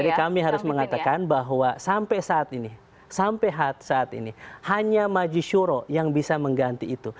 jadi kami harus mengatakan bahwa sampai saat ini sampai saat ini hanya maji shuro yang bisa mengganti itu